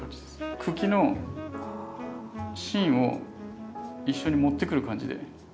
茎の芯を一緒に持ってくる感じで。